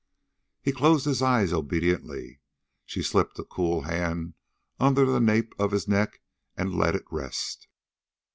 He closed his eyes obediently. She slipped a cool hand under the nape of his neck and let it rest.